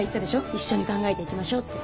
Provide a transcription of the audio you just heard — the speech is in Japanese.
「一緒に考えていきましょう」って。